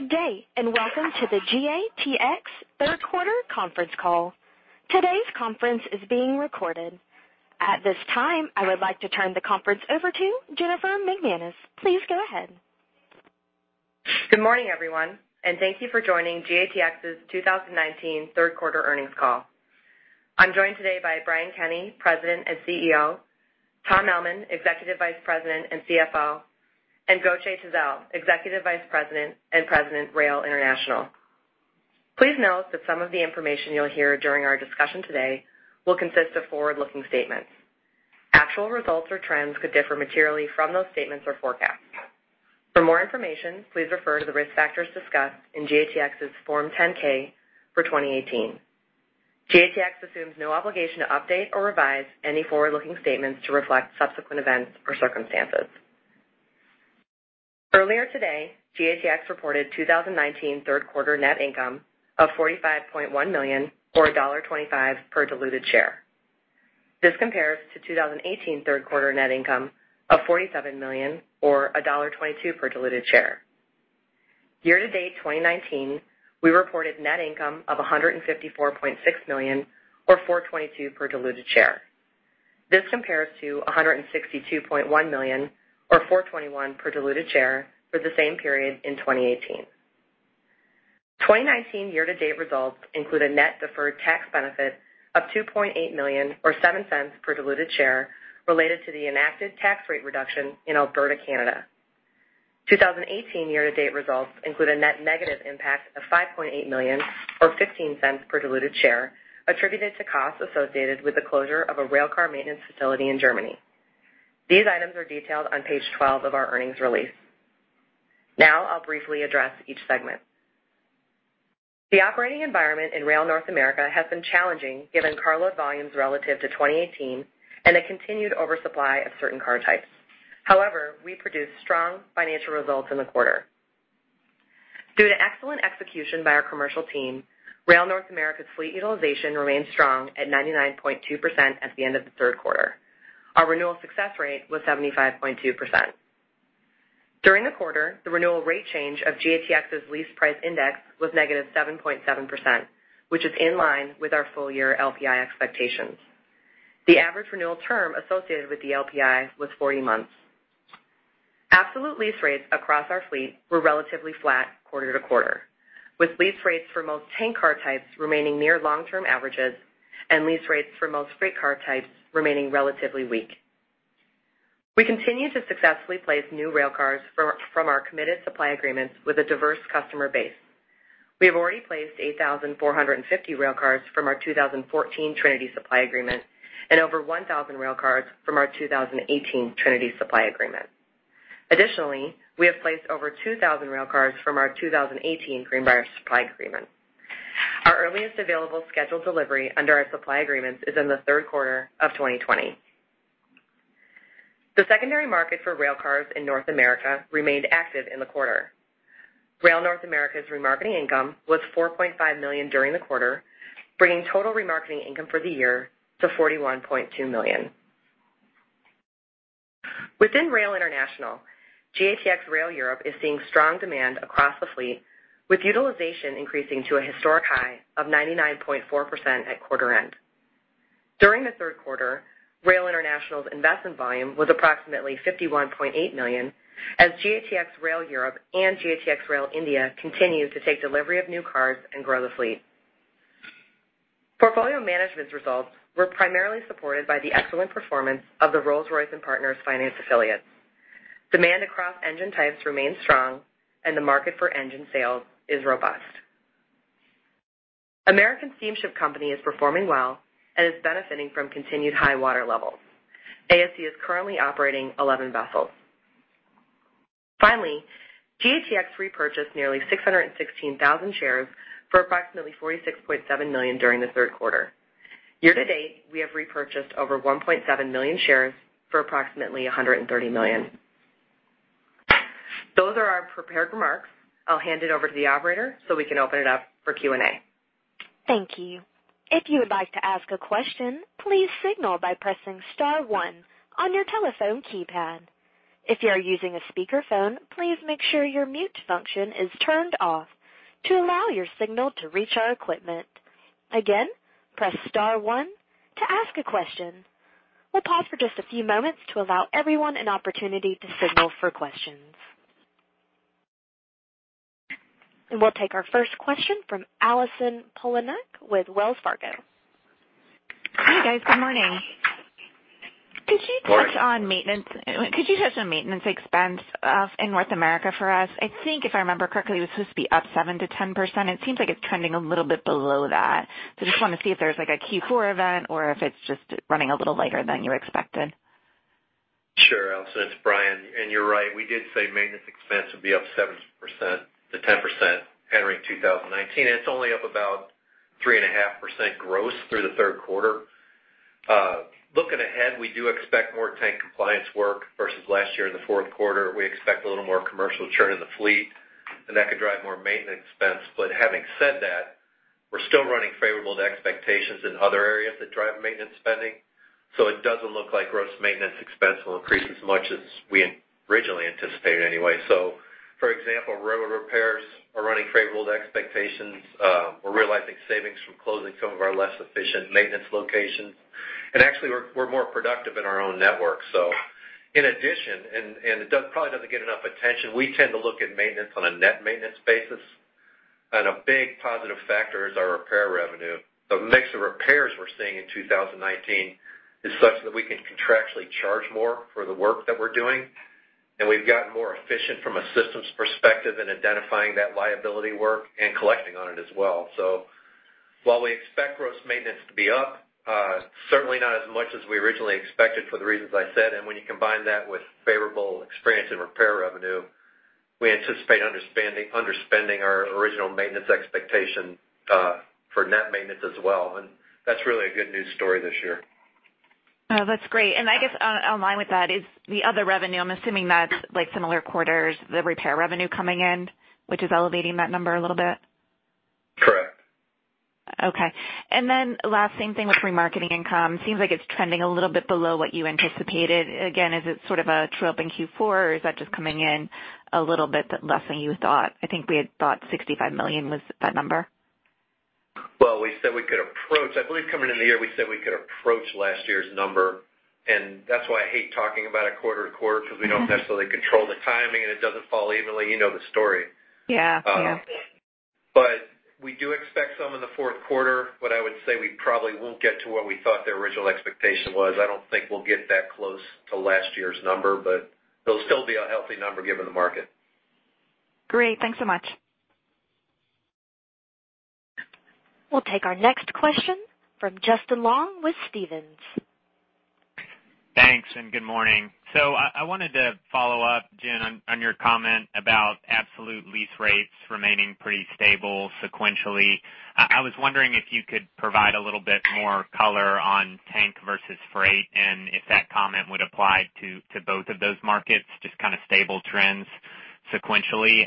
Good day. Welcome to the GATX third quarter conference call. Today's conference is being recorded. At this time, I would like to turn the conference over to Jennifer McManus. Please go ahead. Good morning, everyone, and thank you for joining GATX's 2019 third quarter earnings call. I'm joined today by Brian Kenney, President and CEO, Tom Ellman, Executive Vice President and CFO, and Gautier Tissot, Executive Vice President and President, Rail International. Please note that some of the information you'll hear during our discussion today will consist of forward-looking statements. Actual results or trends could differ materially from those statements or forecasts. For more information, please refer to the risk factors discussed in GATX's Form 10-K for 2018. GATX assumes no obligation to update or revise any forward-looking statements to reflect subsequent events or circumstances. Earlier today, GATX reported 2019 third quarter net income of $45.1 million or $1.25 per diluted share. This compares to 2018 third quarter net income of $47 million or $1.22 per diluted share. Year-to-date 2019, we reported net income of $154.6 million or $4.22 per diluted share. This compares to $162.1 million or $4.21 per diluted share for the same period in 2018. 2019 year-to-date results include a net deferred tax benefit of $2.8 million or $0.07 per diluted share related to the enacted tax rate reduction in Alberta, Canada. 2018 year-to-date results include a net negative impact of $5.8 million or $0.15 per diluted share attributed to costs associated with the closure of a railcar maintenance facility in Germany. These items are detailed on page 12 of our earnings release. I'll briefly address each segment. The operating environment in Rail North America has been challenging given carload volumes relative to 2018 and a continued oversupply of certain car types. We produced strong financial results in the quarter. Due to excellent execution by our commercial team, Rail North America fleet utilization remains strong at 99.2% at the end of the third quarter. Our renewal success rate was 75.2%. During the quarter, the renewal rate change of GATX's lease price index was -7.7%, which is in line with our full year LPI expectations. The average renewal term associated with the LPI was 40 months. Absolute lease rates across our fleet were relatively flat quarter to quarter, with lease rates for most tank car types remaining near long-term averages and lease rates for most freight car types remaining relatively weak. We continue to successfully place new railcars from our committed supply agreements with a diverse customer base. We have already placed 8,450 railcars from our 2014 Trinity supply agreement and over 1,000 railcars from our 2018 Trinity supply agreement. Additionally, we have placed over 2,000 railcars from our 2018 Greenbrier supply agreement. Our earliest available scheduled delivery under our supply agreements is in the third quarter of 2020. The secondary market for railcars in North America remained active in the quarter. Rail North America's remarketing income was $4.5 million during the quarter, bringing total remarketing income for the year to $41.2 million. Within Rail International, GATX Rail Europe is seeing strong demand across the fleet, with utilization increasing to a historic high of 99.4% at quarter end. During the third quarter, Rail International's investment volume was approximately $51.8 million, as GATX Rail Europe and GATX Rail India continued to take delivery of new cars and grow the fleet. Portfolio management results were primarily supported by the excellent performance of the Rolls-Royce & Partners Finance affiliate. Demand across engine types remains strong, and the market for engine sales is robust. American Steamship Company is performing well and is benefiting from continued high water levels. ASC is currently operating 11 vessels. Finally, GATX repurchased nearly 616,000 shares for approximately $46.7 million during the third quarter. Year to date, we have repurchased over 1.7 million shares for approximately $130 million. Those are our prepared remarks. I'll hand it over to the operator so we can open it up for Q&A. Thank you. If you would like to ask a question, please signal by pressing *1 on your telephone keypad. If you are using a speakerphone, please make sure your mute function is turned off to allow your signal to reach our equipment. Again, press *1 to ask a question. We'll pause for just a few moments to allow everyone an opportunity to signal for questions. We'll take our first question from Allison Poliniak-Cusic with Wells Fargo. Hey, guys. Good morning. Morning. Could you touch on maintenance expense in North America for us? I think if I remember correctly, it was supposed to be up 7%-10%, it seems like it's trending a little bit below that. Just want to see if there's like a Q4 event or if it's just running a little lighter than you expected. Sure. Allison, it's Brian. You're right. We did say maintenance expense would be up 7%-10% entering 2019. It's only up about 3.5% gross through the third quarter. Looking ahead, we do expect more tank compliance work versus last year in the fourth quarter. We expect a little more commercial churn in the fleet, and that could drive more maintenance expense. Having said that. We're still running favorable to expectations in other areas that drive maintenance spending, so it doesn't look like gross maintenance expense will increase as much as we originally anticipated anyway. For example, railroad repairs are running favorable to expectations. We're realizing savings from closing some of our less efficient maintenance locations, and actually, we're more productive in our own network. In addition, and it probably doesn't get enough attention, we tend to look at maintenance on a net maintenance basis, and a big positive factor is our repair revenue. The mix of repairs we're seeing in 2019 is such that we can contractually charge more for the work that we're doing, and we've gotten more efficient from a systems perspective in identifying that liability work and collecting on it as well. While we expect gross maintenance to be up, certainly not as much as we originally expected for the reasons I said. When you combine that with favorable experience and repair revenue, we anticipate underspending our original maintenance expectation for net maintenance as well. That's really a good news story this year. Oh, that's great. I guess in line with that is the other revenue. I'm assuming that's similar quarters, the repair revenue coming in, which is elevating that number a little bit. Correct. Okay. Then last, same thing with remarketing income. Seems like it's trending a little bit below what you anticipated. Again, is it sort of a trip in Q4, or is that just coming in a little bit less than you thought? I think we had thought $65 million was that number. Well, I believe coming into the year, we said we could approach last year's number, and that's why I hate talking about it quarter-to-quarter because we don't necessarily control the timing, and it doesn't fall evenly. You know the story. Yeah. We do expect some in the fourth quarter. What I would say, we probably won't get to what we thought the original expectation was. I don't think we'll get that close to last year's number, but it'll still be a healthy number given the market. Great. Thanks so much. We'll take our next question from Justin Long with Stephens. Thanks and good morning. I wanted to follow up, Jen, on your comment about absolute lease rates remaining pretty stable sequentially. I was wondering if you could provide a little bit more color on tank versus freight, and if that comment would apply to both of those markets, just kind of stable trends sequentially.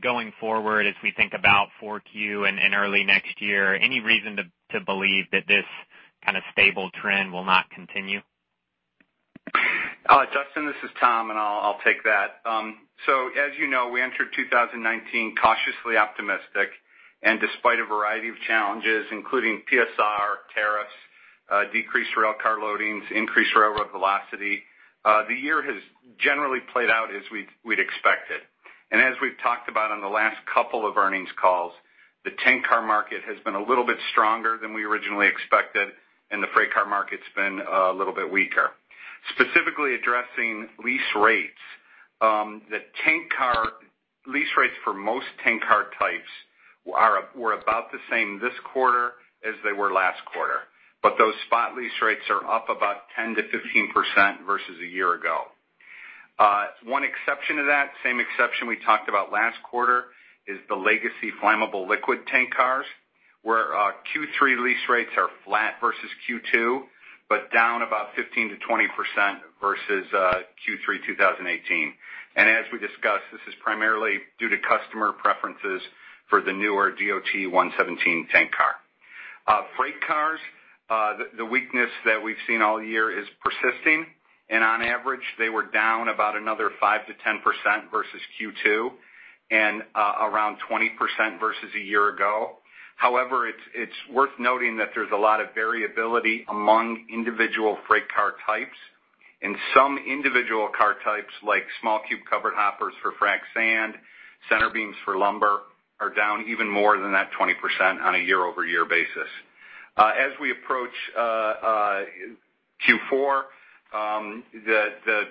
Going forward as we think about 4Q and early next year, any reason to believe that this kind of stable trend will not continue? Justin, this is Tom. I'll take that. As you know, we entered 2019 cautiously optimistic, and despite a variety of challenges, including PSR, tariffs, decreased railcar loadings, increased railroad velocity, the year has generally played out as we'd expected. As we've talked about on the last couple of earnings calls, the tank car market has been a little bit stronger than we originally expected, and the freight car market's been a little bit weaker. Specifically addressing lease rates, the lease rates for most tank car types were about the same this quarter as they were last quarter. Those spot lease rates are up about 10%-15% versus a year ago. One exception to that, same exception we talked about last quarter, is the legacy flammable liquid tank cars, where our Q3 lease rates are flat versus Q2, but down about 15%-20% versus Q3 2018. As we discussed, this is primarily due to customer preferences for the newer DOT-117 tank car. Freight cars, the weakness that we've seen all year is persisting, and on average, they were down about another 5%-10% versus Q2 and around 20% versus a year ago. However, it's worth noting that there's a lot of variability among individual freight car types, and some individual car types, like small cube covered hoppers for frac sand, center beams for lumber, are down even more than that 20% on a year-over-year basis. As we approach Q4, the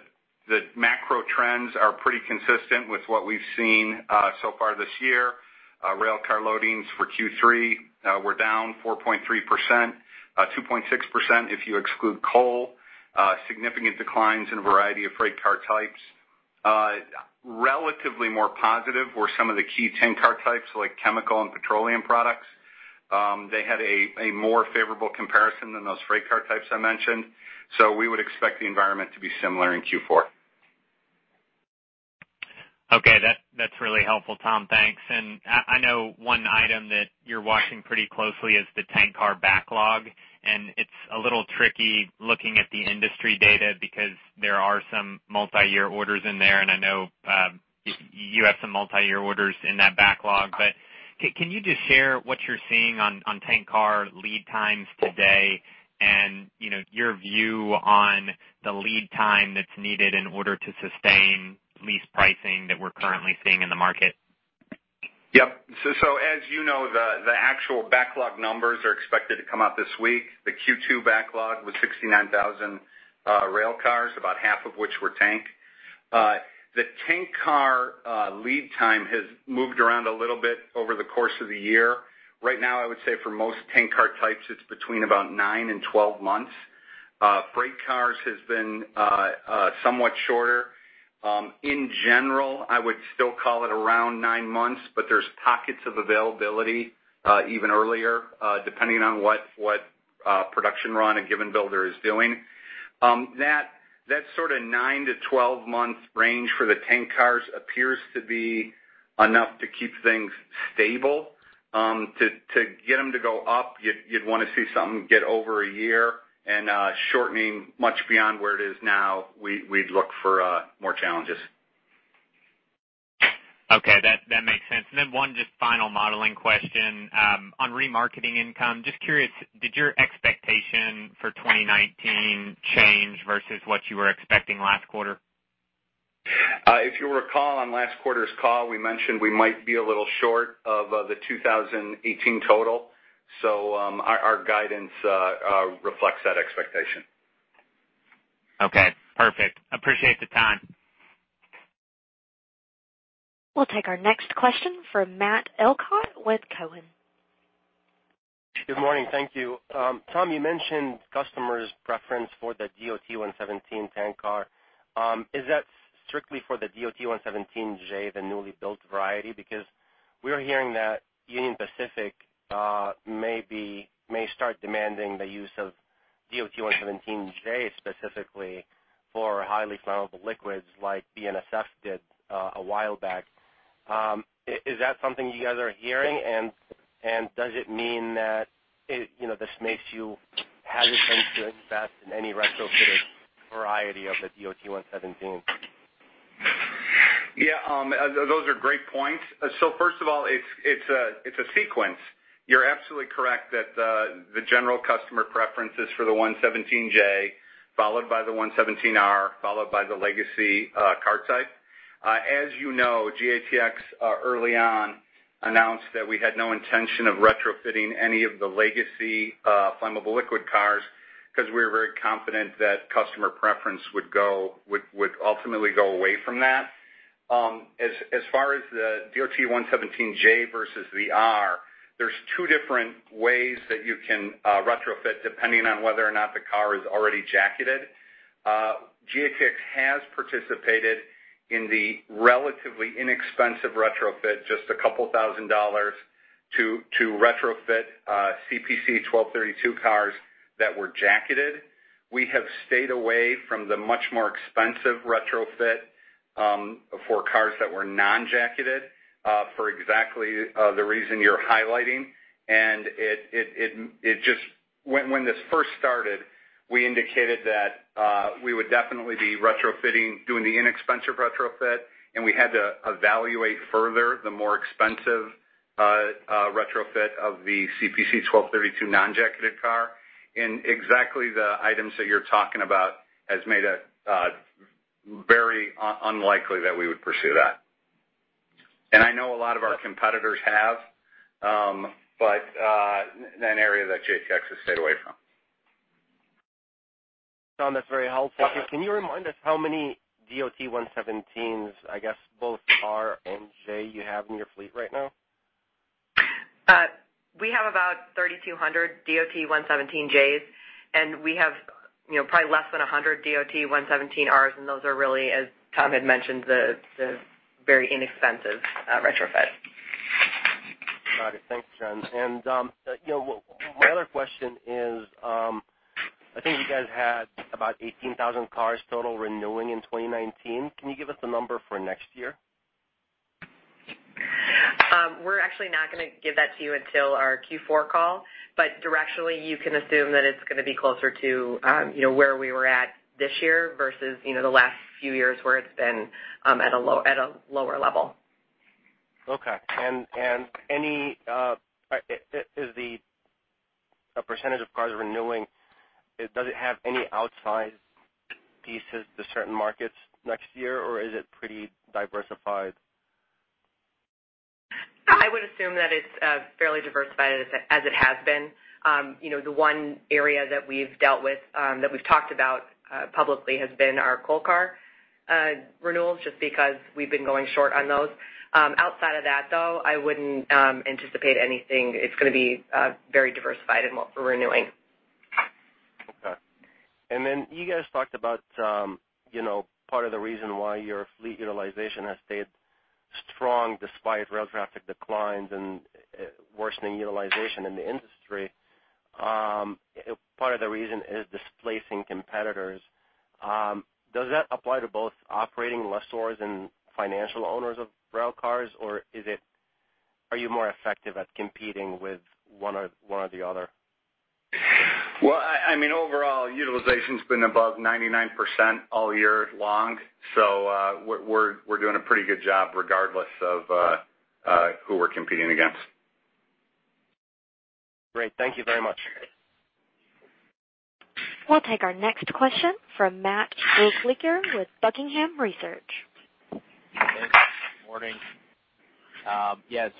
macro trends are pretty consistent with what we've seen so far this year. Railcar loadings for Q3 were down 4.3%, 2.6% if you exclude coal. Significant declines in a variety of freight car types. Relatively more positive were some of the key tank car types like chemical and petroleum products. They had a more favorable comparison than those freight car types I mentioned. We would expect the environment to be similar in Q4. Okay. That's really helpful, Tom. Thanks. I know one item that you're watching pretty closely is the tank car backlog, and it's a little tricky looking at the industry data because there are some multi-year orders in there, and I know you have some multi-year orders in that backlog. Can you just share what you're seeing on tank car lead times today and your view on the lead time that's needed in order to sustain lease pricing that we're currently seeing in the market? Yep. As you know, the actual backlog numbers are expected to come out this week. The Q2 backlog was 69,000 railcars, about half of which were tank. The tank car lead time has moved around a little bit over the course of the year. Right now, I would say for most tank car types, it's between about nine and 12 months. Freight cars has been somewhat shorter. In general, I would still call it around nine months, but there's pockets of availability even earlier, depending on what production run a given builder is doing. That sort of nine to 12 month range for the tank cars appears to be enough to keep things stable. To get them to go up, you'd want to see something get over a year, and shortening much beyond where it is now, we'd look for more challenges. Okay. That makes sense. One just final modeling question. On remarketing income, just curious, did your expectation for 2019 change versus what you were expecting last quarter? If you recall, on last quarter's call, we mentioned we might be a little short of the 2018 total. Our guidance reflects that expectation. Okay, perfect. Appreciate the time. We'll take our next question from Matt Elkott with Cowen. Good morning. Thank you. Tom, you mentioned customers' preference for the DOT-117 tank car. Is that strictly for the DOT-117J, the newly built variety? We are hearing that Union Pacific may start demanding the use of DOT-117J specifically for highly flammable liquids, like BNSF did a while back. Is that something you guys are hearing? Does it mean that this makes you hesitant to invest in any retrofitted variety of the DOT-117? Yeah. Those are great points. First of all, it's a sequence. You're absolutely correct that the general customer preference is for the 117J, followed by the 117R, followed by the legacy car type. As you know, GATX early on announced that we had no intention of retrofitting any of the legacy flammable liquid cars because we were very confident that customer preference would ultimately go away from that. As far as the DOT-117J versus the R, there's two different ways that you can retrofit, depending on whether or not the car is already jacketed. GATX has participated in the relatively inexpensive retrofit, just a couple thousand dollars to retrofit CPC-1232 cars that were jacketed. We have stayed away from the much more expensive retrofit for cars that were non-jacketed for exactly the reason you're highlighting. When this first started, we indicated that we would definitely be retrofitting, doing the inexpensive retrofit, and we had to evaluate further the more expensive retrofit of the CPC-1232 non-jacketed car. Exactly the items that you're talking about has made it very unlikely that we would pursue that. I know a lot of our competitors have, but that area that GATX has stayed away from. Tom, that's very helpful. Can you remind us how many DOT-117s, I guess both R and J, you have in your fleet right now? We have about 3,200 DOT-117Js, and we have probably less than 100 DOT-117Rs, and those are really, as Tom had mentioned, the very inexpensive retrofit. Got it. Thanks, Jen. My other question is, I think you guys had about 18,000 cars total renewing in 2019. Can you give us a number for next year? We're actually not going to give that to you until our Q4 call, but directionally, you can assume that it's going to be closer to where we were at this year versus the last few years where it's been at a lower level. Okay. A percentage of cars renewing, does it have any outsized pieces to certain markets next year, or is it pretty diversified? I would assume that it's fairly diversified as it has been. The one area that we've dealt with, that we've talked about publicly, has been our coal car renewals, just because we've been going short on those. Outside of that, though, I wouldn't anticipate anything. It's going to be very diversified in what we're renewing. Okay. You guys talked about part of the reason why your fleet utilization has stayed strong despite rail traffic declines and worsening utilization in the industry. Part of the reason is displacing competitors. Does that apply to both operating lessors and financial owners of rail cars, or are you more effective at competing with one or the other? Well, overall, utilization's been above 99% all year long. We're doing a pretty good job regardless of who we're competing against. Great. Thank you very much. We'll take our next question from Matt Brooklier with Buckingham Research. Thanks. Good morning. I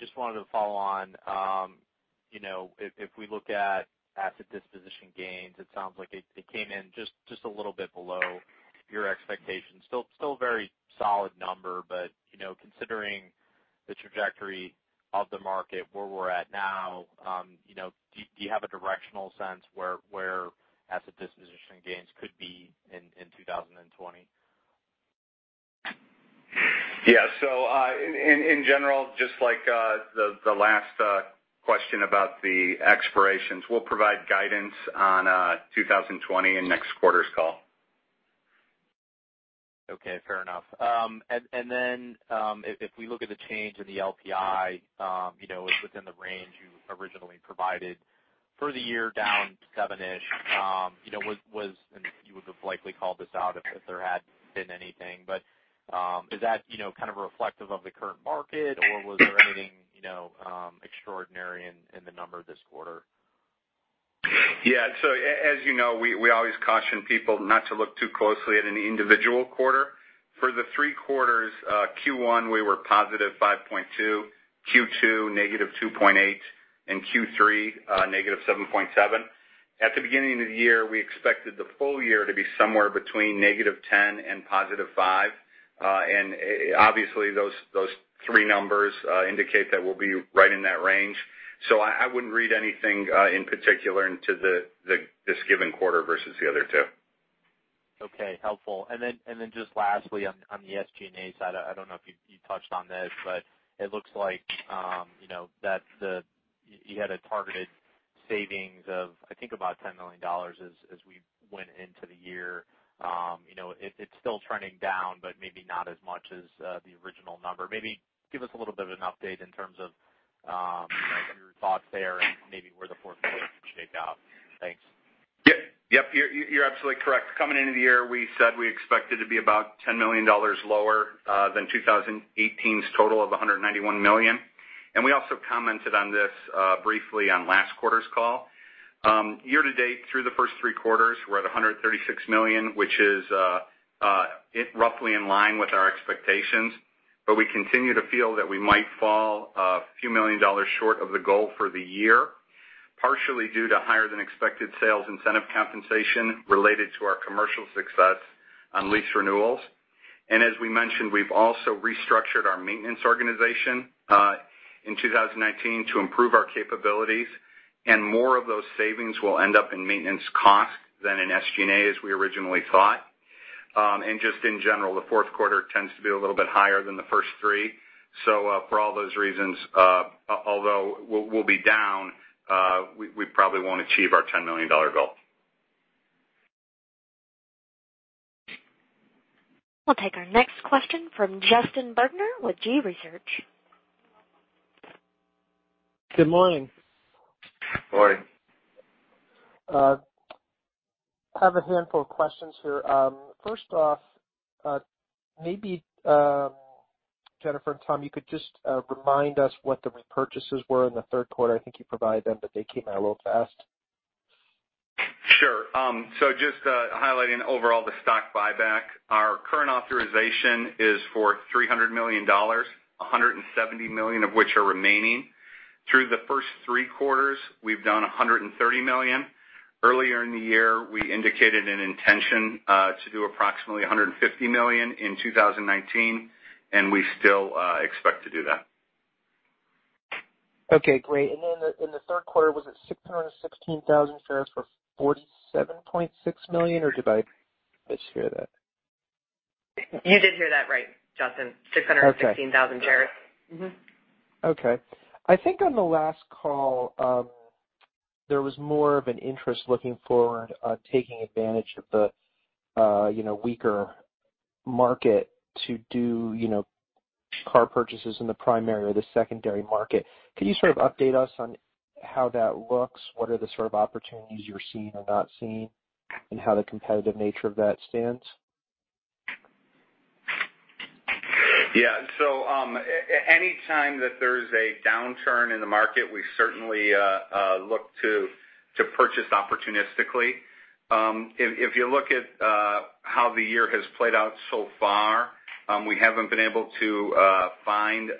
just wanted to follow on. If we look at asset disposition gains, it sounds like it came in just a little bit below your expectations. Still a very solid number, considering the trajectory of the market, where we're at now, do you have a directional sense where asset disposition gains could be in 2020? Yeah. In general, just like the last question about the expirations, we'll provide guidance on 2020 in next quarter's call. Okay, fair enough. If we look at the change in the LPI, it's within the range you originally provided for the year down seven-ish. You would have likely called this out if there had been anything, but is that reflective of the current market, or was there anything extraordinary in the number this quarter? Yeah. As you know, we always caution people not to look too closely at any individual quarter. For the three quarters, Q1, we were +5.2%, Q2 -2.8%, and Q3 -7.7%. At the beginning of the year, we expected the full year to be somewhere between -10% and +5%. Obviously those three numbers indicate that we'll be right in that range. I wouldn't read anything in particular into this given quarter versus the other two. Okay, helpful. Then just lastly, on the SG&A side, I don't know if you touched on this, but it looks like you had a targeted savings of, I think, about $10 million as we went into the year. It's still trending down, but maybe not as much as the original number. Maybe give us a little bit of an update in terms of your thoughts there and maybe where the portfolio could shake out. Thanks. Yep. You're absolutely correct. Coming into the year, we said we expected to be about $10 million lower than 2018's total of $191 million. We also commented on this briefly on last quarter's call. Year to date, through the first three quarters, we're at $136 million, which is roughly in line with our expectations. We continue to feel that we might fall a few million dollars short of the goal for the year, partially due to higher than expected sales incentive compensation related to our commercial success on lease renewals. As we mentioned, we've also restructured our maintenance organization in 2019 to improve our capabilities. More of those savings will end up in maintenance costs than in SG&A as we originally thought. Just in general, the fourth quarter tends to be a little bit higher than the first three. For all those reasons, although we'll be down, we probably won't achieve our $10 million goal. We'll take our next question from Justin Bergner with Gabelli Research. Good morning. Morning. I have a handful of questions here. First off, maybe Jennifer and Tom, you could just remind us what the repurchases were in the third quarter. I think you provided them, but they came by a little fast. Sure. Just highlighting overall the stock buyback. Our current authorization is for $300 million, $170 million of which are remaining. Through the first three quarters, we've done $130 million. Earlier in the year, we indicated an intention to do approximately $150 million in 2019, we still expect to do that. Okay, great. In the third quarter, was it 616,000 shares for $47.6 million, or did I mishear that? You did hear that right, Justin. 616,000 shares. Mm-hmm. Okay. I think on the last call, there was more of an interest looking forward, taking advantage of the weaker market to do car purchases in the primary or the secondary market. Could you sort of update us on how that looks? What are the sort of opportunities you're seeing or not seeing, and how the competitive nature of that stands? Anytime that there's a downturn in the market, we certainly look to purchase opportunistically. If you look at how the year has played out so far, we haven't been able to find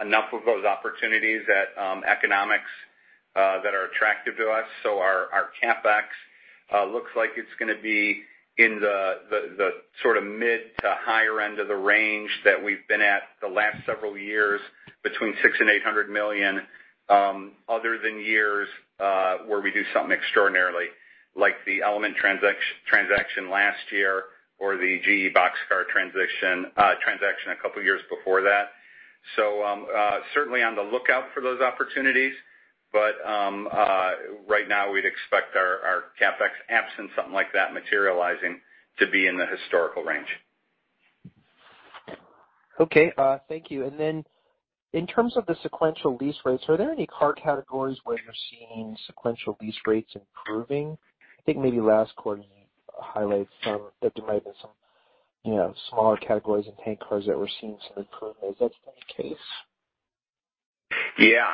enough of those opportunities at economics that are attractive to us. Our CapEx looks like it's going to be in the sort of mid to higher end of the range that we've been at the last several years, between $600 million and $800 million other than years where we do something extraordinarily, like the Element transaction last year or the GE Boxcar transaction a couple of years before that. Certainly on the lookout for those opportunities, but right now we'd expect our CapEx, absent something like that materializing, to be in the historical range. Okay. Thank you. In terms of the sequential lease rates, are there any car categories where you're seeing sequential lease rates improving? I think maybe last quarter you highlighted that there might have been some smaller categories in tank cars that we're seeing some improvement. Is that still the case? Yeah.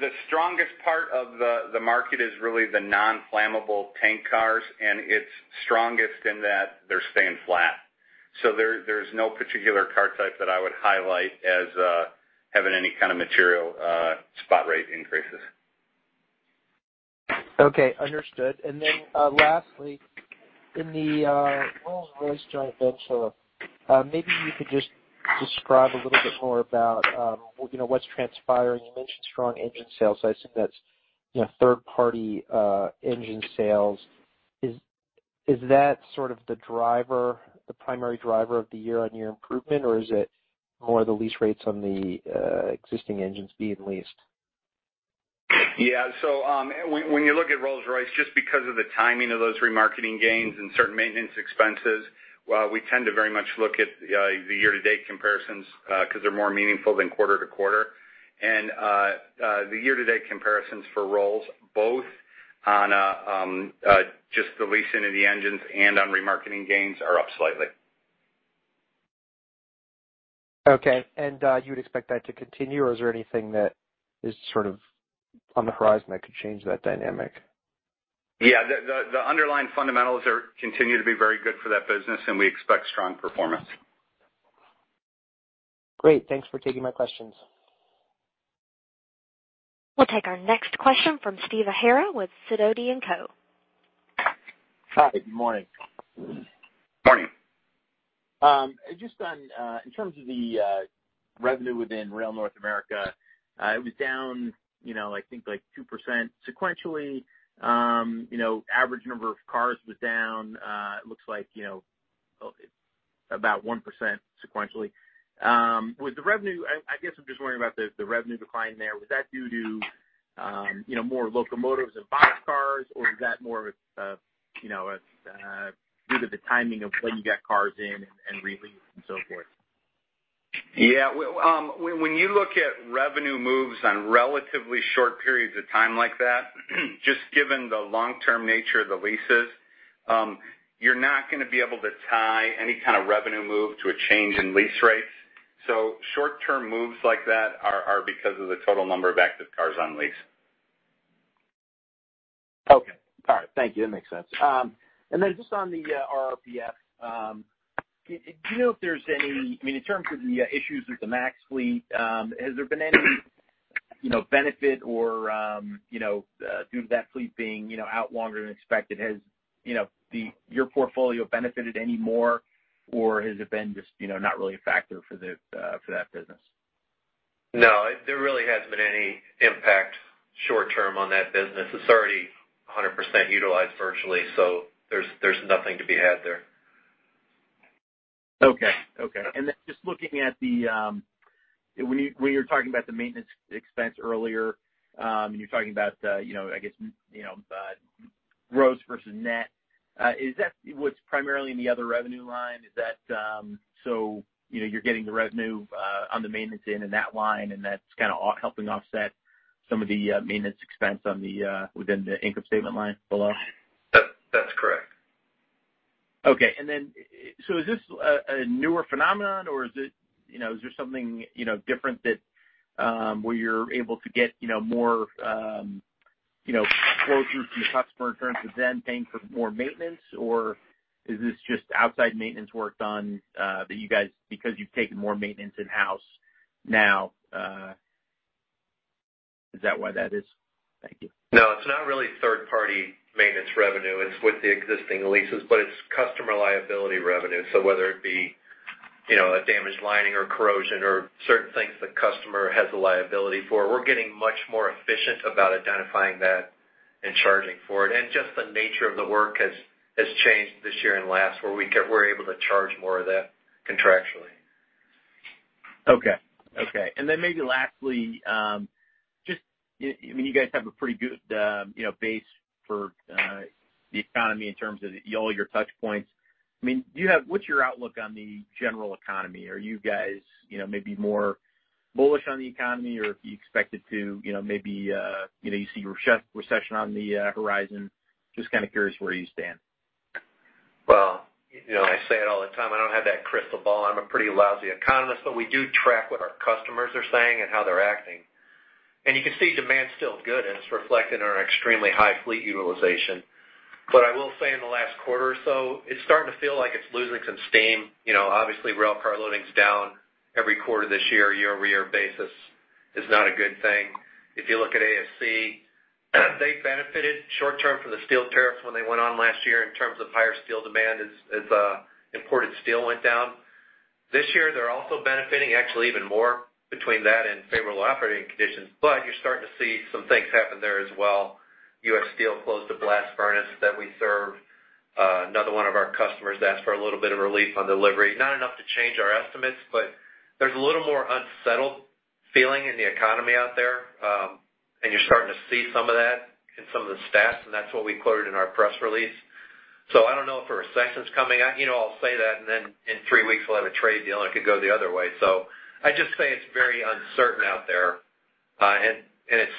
The strongest part of the market is really the non-flammable tank cars, and it's strongest in that they're staying flat. There's no particular car type that I would highlight as having any kind of material spot rate increases. Okay, understood. Lastly, in the Rolls-Royce & Partners Finance, maybe you could just describe a little bit more about what's transpiring. You mentioned strong engine sales. I assume that's third-party engine sales. Is that sort of the primary driver of the year-on-year improvement, or is it more the lease rates on the existing engines being leased? Yeah. When you look at Rolls-Royce, just because of the timing of those remarketing gains and certain maintenance expenses, we tend to very much look at the year-to-date comparisons because they're more meaningful than quarter-to-quarter. The year-to-date comparisons for Rolls, both on just the leasing of the engines and on remarketing gains, are up slightly. Okay. You would expect that to continue, or is there anything that is on the horizon that could change that dynamic? Yeah. The underlying fundamentals continue to be very good for that business, and we expect strong performance. Great. Thanks for taking my questions. We'll take our next question from Steve O'Hara with Sidoti & Co. Hi. Good morning. Morning. In terms of the revenue within Rail North America, it was down, I think 2% sequentially. Average number of cars was down, it looks like about 1% sequentially. I guess I'm just wondering about the revenue decline there. Was that due to more locomotives and boxcars, or is that more of due to the timing of when you get cars in and release and so forth? Yeah. When you look at revenue moves on relatively short periods of time like that, just given the long-term nature of the leases, you're not going to be able to tie any kind of revenue move to a change in lease rates. Short-term moves like that are because of the total number of active cars on lease. Okay. All right. Thank you. That makes sense. Then just on the RRF, do you know if there's any, I mean, in terms of the issues with the Max fleet, has there been any benefit or due to that fleet being out longer than expected, has your portfolio benefited any more or has it been just not really a factor for that business? No, there really hasn't been any impact short-term on that business. It's already 100% utilized virtually, so there's nothing to be had there. Okay. Just looking at the when you were talking about the maintenance expense earlier, and you were talking about gross versus net, is that what's primarily in the other revenue line? Is that so you're getting the revenue on the maintenance end in that line, and that's kind of helping offset some of the maintenance expense within the income statement line below? That's correct. Okay. Is this a newer phenomenon or is there something different where you're able to get more flow-through from the customer in terms of them paying for more maintenance? Is this just outside maintenance work done that you guys, because you've taken more maintenance in-house now, is that why that is? Thank you. No, it's not really third-party maintenance revenue. It's with the existing leases, but it's customer liability revenue. Whether it be a damaged lining or corrosion or certain things the customer has a liability for, we're getting much more efficient about identifying that and charging for it. Just the nature of the work has changed this year and last, where we're able to charge more of that contractually. Okay. Maybe lastly, just, I mean, you guys have a pretty good base for the economy in terms of all your touch points. I mean, what's your outlook on the general economy? Are you guys maybe more bullish on the economy, or do you expect it to maybe see recession on the horizon? Just kind of curious where you stand. I say it all the time, I don't have that crystal ball. I'm a pretty lousy economist, we do track what our customers are saying and how they're acting. You can see demand's still good, and it's reflected in our extremely high fleet utilization. I will say in the last quarter or so, it's starting to feel like it's losing some steam. Obviously, railcar loading's down every quarter this year-over-year basis is not a good thing. If you look at ASC, they benefited short-term from the steel tariffs when they went on last year in terms of higher steel demand as imported steel went down. This year, they're also benefiting actually even more between that and favorable operating conditions. You're starting to see some things happen there as well. US Steel closed a blast furnace that we served. Another one of our customers asked for a little bit of relief on delivery. Not enough to change our estimates, but there's a little more unsettled feeling in the economy out there. You're starting to see some of that in some of the stats, and that's what we quoted in our press release. I don't know if a recession's coming. I'll say that, and then in three weeks we'll have a trade deal, and it could go the other way. I just say it's very uncertain out there. It's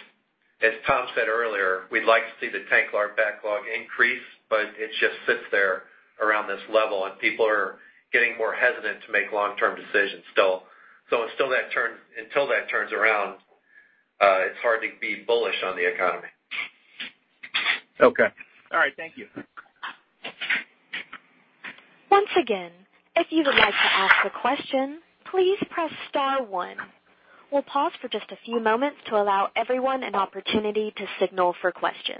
as Tom said earlier, we'd like to see the tank car backlog increase, but it just sits there around this level, and people are getting more hesitant to make long-term decisions still. Until that turns around, it's hard to be bullish on the economy. Okay. All right. Thank you. Once again, if you would like to ask a question, please press star one. We'll pause for just a few moments to allow everyone an opportunity to signal for questions.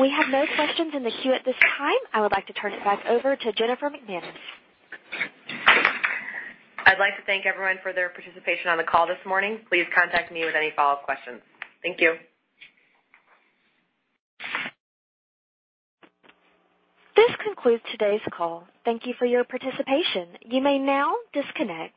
We have no questions in the queue at this time. I would like to turn it back over to Jennifer McManus. I'd like to thank everyone for their participation on the call this morning. Please contact me with any follow-up questions. Thank you. This concludes today's call. Thank you for your participation. You may now disconnect.